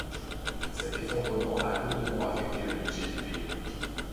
Cet effondrement a lourdement affecté le budget du pays.